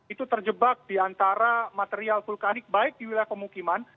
itu terjebak di antara material vulkanik baik di wilayah pemukiman